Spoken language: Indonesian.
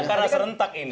karena serentak ini